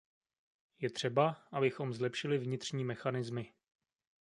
Je třeba, abychom zlepšili vnitřní mechanismy.